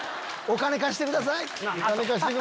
「お金貸してください」。